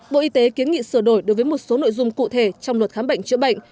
bộ y tế kiến nghị sửa đổi đối với một số nội dung cụ thể trong luật khám bệnh chữa bệnh